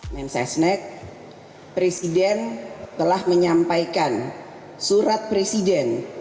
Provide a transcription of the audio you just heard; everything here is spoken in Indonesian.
men sesnek presiden telah menyampaikan surat presiden